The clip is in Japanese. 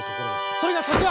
それがそちら！